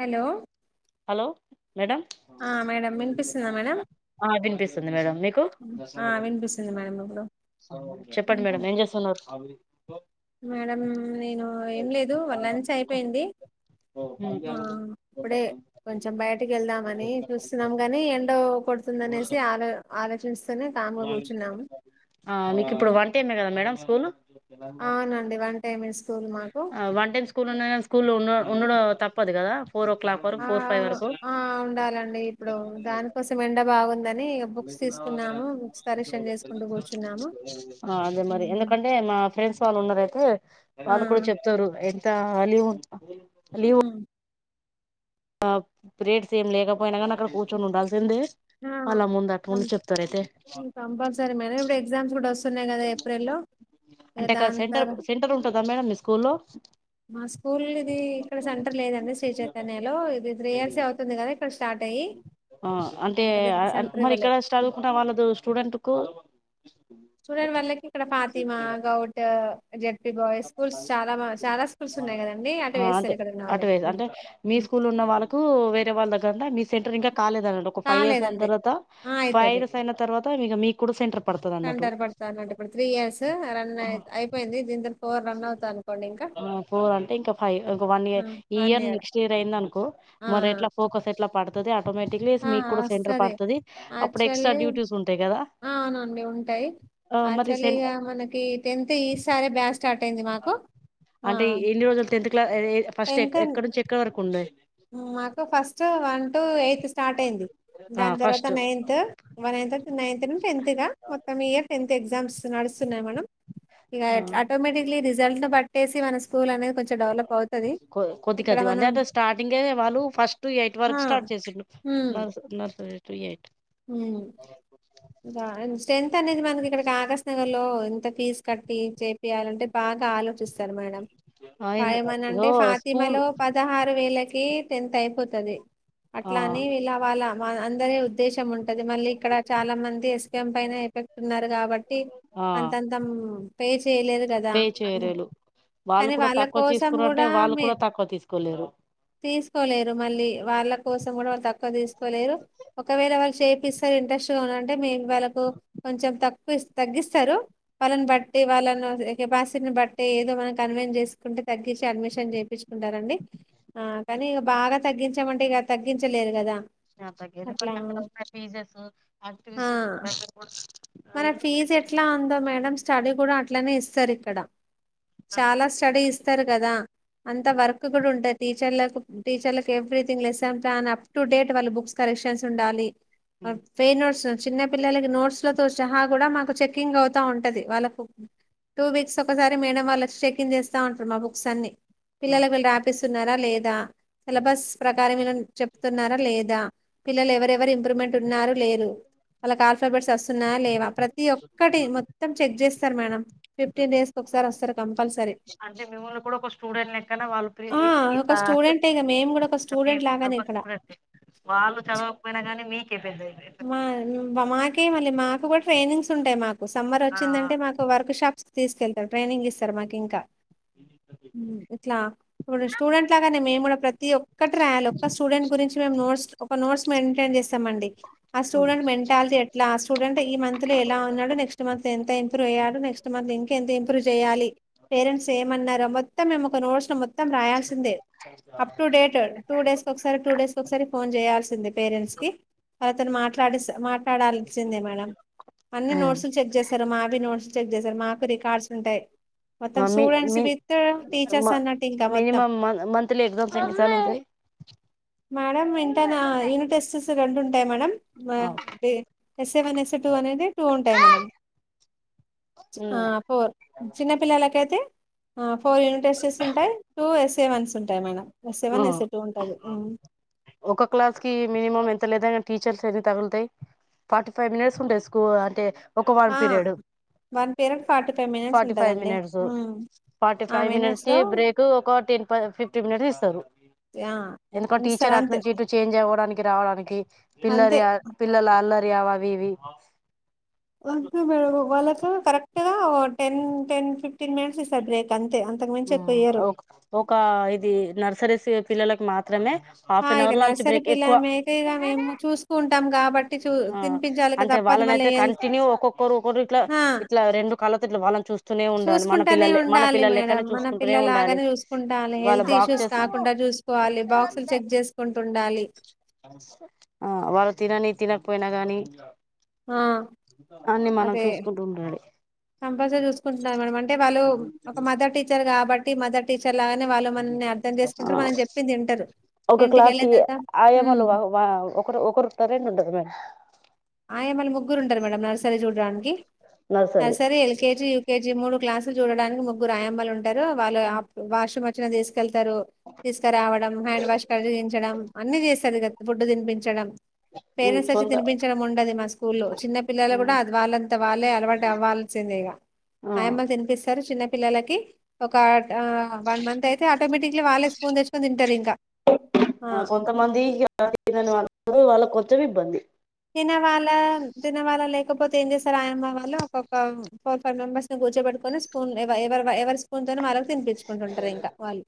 hello hello madam ఆ madam వినిపిస్తుందా madam ఆ వినిపిస్తుంది మేడం నీకు ఆ వినిపిస్తుంది మేడం ఇప్పుడు చెప్పండి ఇంకా మేడం ఏం జేస్తున్నారు మేడం నేను ఏం లేదు వాళ్ళ్ లంచైపోయింది ఆ ఇప్పుడే కొంచెం బయటకి ఎల్దామనీ చూస్తున్నాం గని ఎండో కొడ్తుంద్ అనేసి ఆలో ఆలోచింస్త్ ఆ మీకిప్పుడు వన్ టెన్ గదా మేడం స్కూలు అవునండి వన్ టైమ్ స్కూల్ మాకు ఆ వన్ టైం స్కూల్ ఉన్నగ స్కూల్లోన్నా ఉండుడూ తప్పదు గదా ఫోర్ ఓ క్లాక్ వరక్ ఆ ఫోర్ ఫైవ్ వరకు ఆ ఉండాలండి ఇప్పుడు దానికోసం ఎండ బాగుందని ఇగ బుక్స్ తీసుకున్నాము బుక్స్ కరెక్షన్ చేసుకుంటూ కూర్చున్నాము ఆ అదే మరి ఎందుకంటే మా ఫ్రెండ్స్ వాళ్ళు ఉన్నారైతే ఆ వాళ్ళు కూడా చెప్తారు ఎంత అలీవు హు ఆ రేట్స్ ఏం లేకపోయినా కాని అక్కడ కూర్చొనుండాల్సిందే అలా ముందట్న ఆ ముందు చెప్తారా అయితే కంపల్సరీ మేడం ఇప్పుడు ఎగ్జామ్స్ కూడా వస్తున్నాయి కదా ఏప్రిల్లో ఇగ అంటే అక్కడ దాని సెంటర్ తర సెంటరుంటదా మేడం మీ స్కూల్లో మా స్కూల్దీ ఇక్కడ సెంటర్లేదండి శ్రీ చైతన్య లో ఇది త్రీ ఇయర్సే అవుతుంది కదా ఇక్కడ స్టార్ట్ అయ్యి ఆ అంటే ఇంకా దీనికి ఆ సెంటర్ ఇవ్వలే మరిక్కడ చదువుకున్న వాళ్ళదు స్టూడెంటుకు స్టుడెంట్ వాల్లకి ఇక్కడ Fatima, govt ZP boy schools చాలా చాలా స్కూల్స్ ఉన్నాయ్గదండి అటేస్తారు ఇక్కడున్న వాళ్ళకి స్కూలున్న వాళ్ళకు వేరే వాళ్ళ కాంమ నీ సెంటర్ ఇంకా కాలేదంట ఒక ఫై ఇయర్స్ అయిన కాలేదండి తర్వాత ఆ ఫైవ్ ఇర్స్ అయిన తర్వాత ఇగ మీకు కూడా సెంటర్ పడుతది అన్నట్టు కంటారు పడతాన్నట ఇప్పుడు త్రీ ఇయర్స్ రన్ అయిపోయింది దీతర్వాత ఆ ఫోర్ అంటే ఇంకా ఫైవ్ ఓక వన్ ఇయర్ ఈ ఇయర్ నెక్స్ట్ ఇయర్ అయిందనుకో ఆ మరి ఎట్లా ఫోకస్ ఎట్లా పడతు ఆటోమేటిక్లీ ఆ మీకు కూడా సెంటర్ వస్తది పడ్తది అప్పుడు ఎక్స్ట్రా డ్యూటీస్ ఉంటాయి కదా అవును అవును ఉంటాయి ఆ మరి సె యాక్చువలీగ మనకి టెన్త్ ఈ సరే బ్యాస్ స్టార్ట్ అయింది మాకు ఆ ఎది ఫస్ట్ ఎ టెన్త్ ఎక్కడ నుంచి ఎక్కడ వరకు ఉంది మాకు ఫస్ట్ వన్ టు ఎయిత్ స్టార్టైది ఆ దాన్తర్వాత ఫస్ట్ నైన్త్ వన్త్ నైన్త్ నుంచి టెన్త్ గా మొత్తం ఇయర్ టెన్త్ ఎగ్జామ్స్ నడుస్తు ఇగ మనం ఆ ఆటోమేటిక్లి రిజల్ట్సు బట్టి కొ కొది ఇక్కడ కొది మనం అందంత స్టార్టింగే వాళ్ళు ఫస్ట్ ఆ ఎయిట్వరకు స్టార్ట్ చేసిళ్ళు నర్ నర్సరీటు ఎయిట్ ఉహ్ గా స్ట స్ట్రీన్ అనేది మనకిక్కడ కాకశ్నగర్ లో ఇంత ఫీజ్ కట్టి చె చేయాలంటే బాగా ఆలోచిస్తారు మేడం ఆ ఎందు ఇగో ఫైమనంటే స్కూల్ ఫాతిమలో పదహారు వేలకి టె టెన్త్ అయిపోతుది ఆ అట్లా అని ఇలా వాళ్ళ మ అందరి ఉద్దేశం ఉంటది మళ్ళీక్కడ చాలా మంది ఎస్కం పైన ఎఫెక్టున్నారు కాబట్టి ఆ అంతంతం పే చేయలేదు కదా పే అని చేయలేరు వాళ్ళు కూడా తక్కువ తీసుకురు అంటే వాళ్ళు కూడా తక్కువ తీసుకోలేరు తీసుకోలేరు మళ్ళీ వాళ్ళ కోసం కూడా వాళ్ళు తక్కువ తీసుకోలేరు ఒకవేళ వాళ్ళు చేపిస్తారు ఇంట్రెస్ట్ గా ఉన్నరంటే మేము వాళ్ళకు కొంచెం తక్కువ తగ్గిస్తారు వాళ్ళన్బట్టి వాళ్ళని కె పాసిటీని బట్టి ఏదో మనం కన్వెన్ చేసుకుంటే తగ్గించి అడ్మిషన్ చేపించు ఉంటారండి ఆ కానీ ఇక బాగా తగ్గించామంటే ఇక తగ్గించలేదు గదా నా దగ్గరెకే అక్కడ ఉన్న ఫీజ్స్ ఆక్టివిస్ పారెంట్ రిపొట్స్ మనకి ఫీజ్ ఎట్లా అందో మేడం స్టడీ కూడా అట్లనే ఇస్తారిక్కడ చాలా స్టడీ ఇస్తార్గదా అంత వర్క్ కూడా ఉంటది టీచర్లకు టీచర్లకేవ్రీథింగ్ లెసన్ ప్లాన్ అప్టుడే వాళ్ళు బుక్స్ కర క్యూషన్స్ ఉండాలి ఫెర్నోట్స్ చిన్న పిల్లలకి నోట్స్ నోట్లులతో సహా కూడా మాకు చెకింగ్ అవుతా ఉంటది వాళ్ళకు టూ వీక్స్ ఒకసారి మేడేం వాళ్ళ చెకింగ్ చేస్తా ఉంటారు మా బుక్సన్ని పిల్లలకు విళ్ళు రాపిస్తున్నారా లేదా సెలబస్ ప్రకారం విళ్ళని చె చెప్తునరా లేదా పిల్లలు ఎవరెవరు ఇంప్రూవ్మెంటున్నారు లేరు వాళ్ళ ఆల్ఫాబెట్స్ వస్తున్నా లేవా ప్రతి ఒక్కటి మొత్తం చెక్ చేస్తారు మేడం ఫిఫ్టీన్ డేస్ ఒకసారి వస్తారు కంపల్సరీ అంటే మిమ్మల్ని కూడా ఒక స్టూడెంట్ లెక్కనే వాళ్ళు [inaudible] ఆ ఒక స్టూడెంటే ఇగ మేము కూడా ఒక స్టూడెంట్ లాగానే ఇక్కడ కరెక్టే వాళ్ళు చదవకపోయినా కానీ మీకిబందియి మా మాకే మళ్ళీ మాకు కూడా ట్రైనింగ్స్ ఉంటాయ్ మాకు ఆ సమ్మరోచ్చిందంటే మాకు వర్క్ షాప్స్ తీస్కెళ్తారు ట్రైనింగ్ ఇస్తారు మాక్ ఇంకా ఊమ్ ఇట్లా ఇప్పుడు స్టూడెంట్ లాగానే మేమ్ కూడా ప్ర ప్రతి ఒక్కటి రాయాలి ఒక్క స్టూడెంట్ గురించి మేమ్ నోట్స్ ఒక నోట్స్ మైంటైన్ చేస్తామండి ఆ స్టూడెంట్ మెంటాలిటీ ఎట్లా ఆ స్టూడెంట్ ఈ మంత్ లో ఎలా ఉన్నాడు నెక్స్ట్ మంత్ ఎంత ఇంప్రూవ్ అయ్యాడు నెక్స్ట్ మంత్ ఇంక ఎంత ఇంప్రూవ్ చేయాలి పేరెంట్స్ ఏమ్ అన్నారో మొత్తం మేమ్ ఒక నోట్స్ ట్స్ మొత్తం రాయాల్సిందే up to date two days ఒక్సారి టూ డేస్ ఒక్సారి ఫోన్ చేయాల్సిందే పేరెంట్స్ కి తన్ మాట్లాడిస్ మాట్లాల్సిందే మేడం అన్ని నోట్స్లు చెక్ చే స్తారు మావి నోట్స్ చెక్ చేసారు మాకు రికార్డ్స్ ఉంటాయి మొత్తం ఆ మీ స్టూడెంట్స్ మీ విత్ టీచర్స్ అన్నట్టు ఇంకా మొత్తం మినిమం మంత్లీ ఎగ్జామ్స్ ఎన్నిసార్లు ఉంటాయి మేడం వింటానా యూనిట్ టెస్ట్స్ రెండు ఉంటాయి మేడం మ అంటే ఎస్ఏ వన్ ఎస్ఏ టూ అనేది టూ ఉంటాయి మేడం ఆ పోర్ చిన్నపిల్లలకైతే ఆ ఫోర్ యూనిట్ టెస్టెస్ ఉంటాయి టూ ఎస్ఏ వన్స్ ఉంటాయి మేడం ఎస్ఏ ఆ వన్ ఎస్ఏ టూ ఉంటుంది ఒక క్లాస్ కి మినిమం ఎ తెల్లేద టీచర్స్ ఎన్ని తగుల్తాయి ఫార్టీ ఫైవ్ మినేట్స్ ఉంటాయి స్కూల్ అంటే ఒక one period one period forty five minutes forty five ఉంటదండి మినిట్స్ ఫార్టీ ఆ ఫైవ్ మినేట్స్ మినిట్స్ కి లో బ్రేక్ ఒక టెన్ ఫ ఫిఫ్టీన్ మినేట్స్ ఇస్తారు ఆ ఎందుకో ఇస్తారు టీచర్ అట్ అంతే నుంచి ఇటు చేంజ్ అవ్వడానిక్ రావడానికి అంతే పిల్లరి అల్ పిల్లల అల్లరి అవి ఇవి అంతే మేడం వాళ్ళకు కరెక్ట్ గా టెన్ టెన్ ఫిఫ్టీన్ మినేట్స్ ఇస్తార్ బ్రేక్ అంత్ ఉ ఒక్ ఒక ఇది నర్సరీస్ పిల్లలకు మాత్రమే ఆ, హాఫ్ అన్ ఇక అవర్ లంచ్ నర్సరీ బ్రేక్ ఎక్కువ పిల్లమే అయితే ఇక మేము చూసుకుంటాం కాబట్టి చూ ఆ తినిపించాలి కదా అంటే తప్పదు వాళ్ళన్ మళ్ళీ అయితే హెల్త్ కంటిన్యూ ఒక్కొక్కరు ఒకోరిట్ల ఇట్లా రెండు కళ్ళతో ఇట్లా వాళ్ళన్ చూస్ చూస్కుంటానే ఉండాలి మేడం మనం చూసుకుంటూనే ఉండాలి పిల్లల్లాగానే చూస్కుంటాలే వాళ్ళ హెల్త్ ఇష్యూస్ బాక్సెస్ కాకుండా చూస్కోవాలి బాక్సలు చెక్ చేస్కుంటుండాలి అల్లి ఆ వాళ్ళు తినని తినకపోయినా గానీ ఆ అన్ని మనం అదే చూస్కుంటు ఉండాలి కంపల్సరీ చూస్కుంటున్నారు మేడం అంటే వాళ్ళు ఒక మదర్ టీచర్ కాబట్టి మదర్ టీచర్ లాగానే వాళ్ళు మనల్ని అర్థం చేసుకుంటారు ఆ మనం చెప్పింది వింటారు ఒక ఇంటికి క్లాస్ వెళ్ళిన కి తర్వాత హ్మ్ ఆయమ్మలు వ వ ఒకరు ఒకరు ఉంటారా రెండు ఉంటారా మేడం ఆయమ్మలు ముగ్గురు ఉంటారు మేడం నర్సరీ చూడ్డానికి నర్సరీ ఎల్కేజీ యూకేజీ మూడు క్లాసులు చూడడానికి ముగ్గురు ఆయమ్మలు ఉంటారు వాళ్ళు అప్ వాష్రూమ్ వచ్చిన తీస్ కెళ్తారు తీస్కారవడం హ్యాండ్ వాష్ కలిగించడం అన్ని చేస్తారు కద్ ఫుడ్డు తినిపించడం పేరెంట్స్ అచ్చి కొంత తినిపించ్ చడానికి ఉండది మా స్కూల్లో చిన్న పిల్లల కూడా అది వాళ్ళంతా వాళ్ళే అలవాటు అవ్వాల్సిందే ఇగా ఆయమ్మలు తినిపిస్తారు చిన్న పిల్లలకి ఒక ఆ వన్ మంత్ అయితే ఆటోమేటిక్లీ వాళ్ళే స్పూన్ తెచ్కోన్ తింటార్ ఇంకా ఆ కొంతమంది [inaudible] వాళ్ళ కొంచెం ఇబ్బంది తిన వాల తినవళ్ళ లేకపోతే ఏం చేస్తార్ ఆయమ్మ వాళ్ళు ఒకొక్క ఫోర్ ఫైవ్ మెంబర్స్ ని కూర్చోబెట్ కొని స్పూన్ ఎవ ఎవర్ వ ఎవరి స్పూన్ తోని మరద్ తిన్పించుకుంటుంటారు ఇంకా వాళ్ళు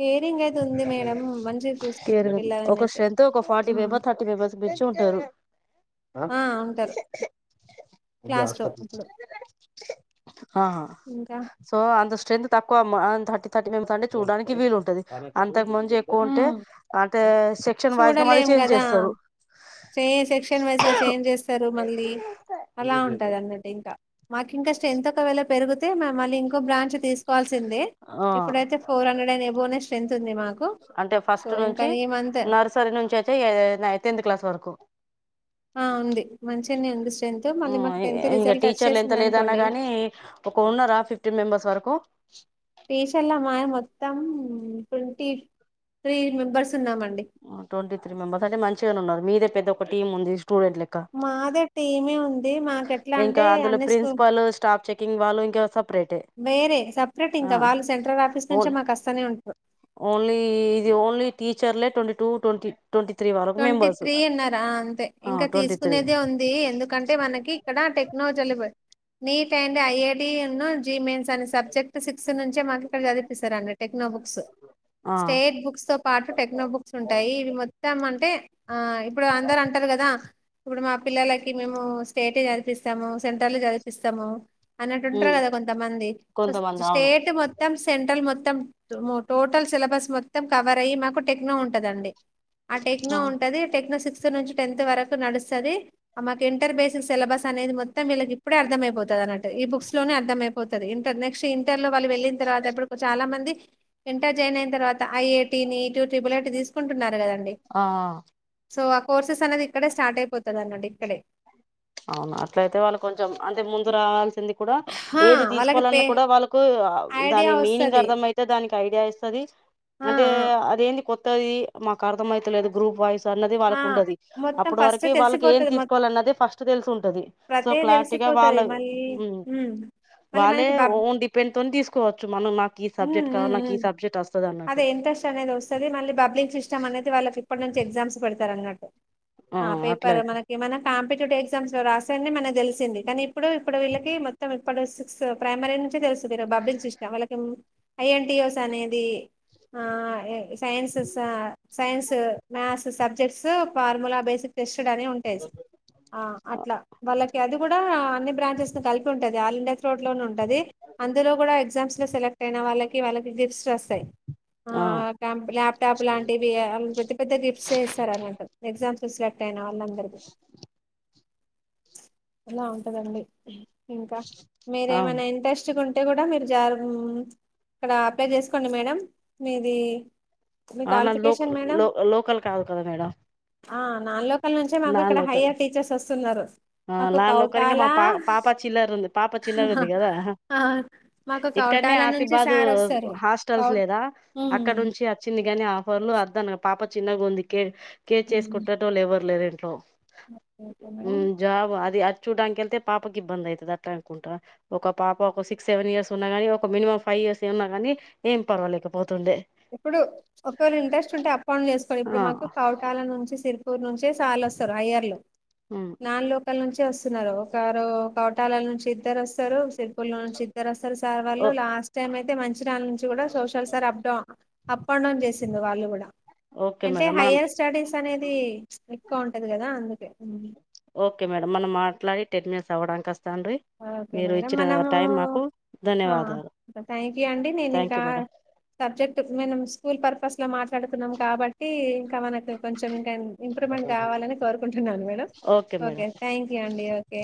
కేరింగ్ అయితే ఉంది మేడం మంచిగా చూసుకుంటారు కేర్ళం పిల్లలని ఒక అయితే స్ట్రెంత్ ఒక forty um member thirty members మించి ఉంటారు ఆ ముందు క్లాస్ లో అస్పత్రికి ఇప్పుడు ఆహ ఇంకా సో అంత్ స్ట్రెంత్ తక్కువ్ అమ్మా అన్ థర్టీ థర్టీ మేమ్ సండే చూడ్డానికి వీల్ ఉంటది అంతక్ మించి ఎక్కువుంటే ఉమ్ అంటే సెక్షన్ వైజ్ గా మల్లీ చూడలేం చేంజ్ కదా చేస్తారు చే సెక్షన్ వైజ్ గా చేంజ్ చేస్తారు మళ్ళీ అలా ఉంటది అన్నటింకా మాక్ ఇంకా స్ట్రెంత్ ఒక వెళ్ పెరుగుతే మ మళ్ళి ఇంకో బ్రాంచ్ తీసుకోవాల్సిందె ఆ ఇప్పుడైతే ఫోర్ హండ్రెడెండ్ ఏబొనె స్ట్రెంత్ తుంది మాకు సో ఇంకా ఈ మంత్ పట్ నుంచైతే నై టెన్త్ క్లాస్ వరకు ఆ ఉంది మంచినే ఉంది స్ట్రెంత్ మళ్ళీ మాకు టెన్త్ ఇంకా రిజల్ట్ ఒచ్చేసిందనుకోండి ఉన్నర ఫిఫ్టీన్ మెంబర్స్ వరకు టీషల్ల మాయే మొత్తం ట్వంటీ త్రీ మెంబర్స్ ఉన్నామండి ట్వంటీ త్రీ మెంబర్స్ అంటే మంచిగనే ఉన్నరు మీదే పెద్ద ఒక టీమ్ ఉంది స్టూడెంట్ లెక్క మాదె టీమే ఉన్ ఇంకా అందులో ప్రిన్సిపల్ స్టాఫ్ చెకింగ్ వాళ్ళు ఇంకేవర్ సప్ వేరే సపరేట్ ఇంకా వాళ్ళు సెంట్రల్ ఆఫీస్ నుంచే ఓన్ మాకస్తానే ఉంటరు ఓన్లీ ఇది ఓన్లీ టీచర్లే twenty two twenty twenty three వరకు ట్వంటీ మెంబర్స్ త్రీ ఉన్నర్ అ అంతే ఆ ఇంకా ట్వంటీ త్రీ తీసుకునేదే ఉంది ఎందుకంటే మనకి ఇక్కడ టెక్న నీట్ అండ్ ఐఐటీ ఉన్ను జీ మెయిన్స్ అనె సబ్జెక్ట్ సిక్ త్ నుంచే మాకు ఇక్కడ చదిపిస్తారండి టెక్నో బుక్స్ ఆ స్టేట్ బుక్స్ తో పాటు టెక్నో బుక్స్ ఉంటాయి ఇవి మొత్తం మ టే ఆ ఇప్పుడు అందరు అంటరు గదా ఇప్పుడు మా పిల్లలకి మేము స్టేటే చదిపిస్తము సెంట్రల్ చదిపిస్తము అన్నట్టు ఉంటర్రు గదా కొంతమంది సొ కొంతమంది అవును స్టేట్ మొత్తం సెంట్రల్ మొత్ త్తం టోటల్ సిలబస్ మొత్తం కవర్ అయి మాకు టెక్నో ఉంటదండి ఆ టెక్నో ఆ ఉంటది టెనో సిక్స్ త్క్ నుంచి టెన్త్ వరకు నడుస్తది అ మాకు ఇంటర్ బేస్ సిలబస్ అనేది మొత్తం వీళ్ళ కిప్పుడే అర్థమైపోత తనట్ ఈ బుక్స్ లోనే అర్థమైపోతది ఇంటర్ నెక్స్ట్ ఇంటర్ లో వాళ్ళు వెళ్ళిన్ తర్వాత ఇప్పుడు చాలా మంది ఇంటర్ జాయిన్ అయిన తర్వాత ఐఐటీ నీటు త్రిబులైటి తీసుకుంటున్నారు గదండి ఆఆ సొ ఆ కోర్సెస్ అనేది ఇక్కడే స్టార్ట్ అయిపోతదనట్టు ఇక్కడే అవున అట్లైతే వళ్ళు కొంచెం అంటే ముందు రావాల్సింది కుడా హా ఏది వాళ్ళకి తీసుకోవలన్న పే కూడా వాళ్ళ కూ దాని ఐడియా మీనింగ్ వస్తది అర్థమైతది దానిక్ ఐడియా ఇస్తది ఆ అంటే ఆ అదేంది కొత్తది మాకు అర్థం అమైతలేదు గ్రూప్ వైస్ దన్నది ఆ వాళ్ళకు ఉండది మొత్తం అప్పటి ఫస్ట్ వరకు వాళ్ళకి ఏం తెలిసిపోతది మొ తీసుకోవాలి అన్నది ఫస్ట్ తెలిసుంటది సొ ప్రతేది క్లారిటీగా వాళ్ళ తెలిసిపోతది మళ్ళీ ఉమ్ మళ్ళీ వాళ్ళే మనకి బబ్ ఓన్ డిపెండ్ తోని తీసుకోవచ్చు మనం నాకు ఈ ఉమ్ సబ్జెక్ట్ కావాలి నాకు ఈ సబ్జెక్ట్ వస్తది అన్నట్టు స్ అనేది వస్తది మళ్ళీ పబ్లింగ్ సిస్టమ్ అనేది వాళ్ళకి ఇప్పటి నుంచె ఎగ్జామ్స్ పెడ్ తరన్నట్టు ఆ అ అట్లే పేపర్ మనకి మన పంపిటేటివ్ ఎగ్జామ్స్ రాస్తెనే మనకి తెలిసింది కనీ ఇపుడు ఇప్పుడు విళ్లకీ మొత్తం ఇప్ ప్పుడు సిక్స్ ప్రైమరీ నుంచి తెలుస్తది బాబ్బ్లింగ్ సిస్టం వాళ్ళకి ఎం ఐఎన్టీయోస్ అనేది హఅ ఎ స్ సైన్స్ స science maths subjects formula basic test ట్ డని ఉంటై స్ ఆ అట్ల వాళ్ళకి అది గూడా అన్ని బ్రాంచెస్ ను కలిపి ఉంటది ఆల్ ఇండియా త్రోట్ లోను ఉంటది అందులో గుడా ఎగ్జామ్స్లో సెలెక్ట్ అయిన వాళ్ళకి వాళ్ళక్ గిఫ్ట్స్ ఒస్తయ్ ఆ క్యంప్ ల్యాప్టాప్ లాంటివి అల్ పెద్ద పెద్ద గిఫ్ట్స్ ఇస్ స్తారన్నట్టు ఎగ్జామ్స్ సెలక్ట్ అయిన వాళ్ళందరికి అలా ఉంటదండి ఇంకా మీరేమైన అవును ఇంట్రెస్ట్ గున్ టే గుడా మీరు జాబు ఇక్కడ అప్లై చేసుకోండి మేడం మీది మీ అవునా లోక క్వాలిఫికేషన్ లో లోకల్ కాదు కదా మేడం ఆహ్ నాన్ లోకల్ నుంచే మాకు ఇక్కడ హయ్యర్ టీచర్స్ వస్తున్నరు ఆహ్ లాన్ లోకల్ ఇంగ మా ప పాప చిల్లరుంది పాప చిన్నగుంది గదా అహ ఆ మాకు క్కన్నె కౌటాల నుంచి ఆసీబాదు సార్ వస్తారు కౌ హాస్టల్స్ లేదా అక్కడ ఉమ్ నుంచి వచ్చింది గని అఫ్ పర్లు వద్దన పాప చిన్నగా ఉంది కే కేర్ చేస్పెటెటోలు ఎవరు లేరు ఇంట్లో okay okay madam hmm job అది అద్ చుడానికేళ్తే పాపకి ఇబ్బంది అయితది అట్లా అనుకుంటా ఒక పాప ఒక సిక్స్ సెవెన్ ఇయర్స్ ఉన్నా గాని ఒక మినిమమ్ ఫై ఉన్నాగానీ ఏం పర్వాలేకపో ఇప్పుడు ఒకవెల ఇంట్రెస్ట్ ఉంటే అపాన్ చేస్కోండి ఇప్పుడు ఆ మాకు కౌటాల నుంచి సిరుపూర్ నుంచి వస్తె సాలు వస్తరు అయర్లు ఉమ్ నాన్ లోకల్ నుంచి స్తున్నారు ఒకరు కౌటాల నుంచి ఇద్దరు వస్తారు సిరిపుర్ లో నుంచి ఇద్దరు వస్తారు సార్ ఓ వాళ్ళు లాస్ట్ టైం అయితే మాంచెరియాల్ నుంచి కూడా సోషల్ సార్ అప్డౌ అప్ అండ్ డౌన్ చేసిలు వాళ్ళు కూడా ఓకే అంటే మేడం మనం హయ్యర్ స్టడీస్ అనేది ఎక్కువ ఉంటది కదా అందుకే ఒకే మేడం మనం మాట్లాడి టెన్ మినిట్స్ అవడానికి వస్తాండ్రి ఒకే మీరు మేడం ఇచ్చిన మనము టైం మాకు ఆ ధన్యవాదాలు థ్యాంక్ యూ అండి నేను థ్యాంక్ ఇంకా యూ మేడం సబ్జెక్ట్ మనం స్కూల్ పర్పస్లో మాట్లాడుతున్నాం కాబట్టి ఇంకా మనక్ ఇంక కొంచెం ఇంకా ఇంప్రూవ్మెంట్ కావాలని కోరుకుంటున్నాను madam okay madam okay thank you అండి ఒకే